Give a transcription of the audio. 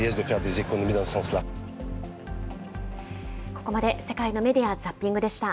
ここまで世界のメディア・ザッピングでした。